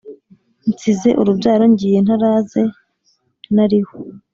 Nsize urubyaro Ngiye ntaraze nariho